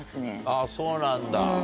あぁそうなんだ。